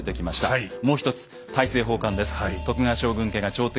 もう一つ「大政奉還」です。